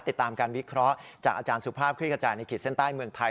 ติดตามการวิเคราะห์จากอาจารย์สุภาพคลิกกระจายในขีดเส้นใต้เมืองไทย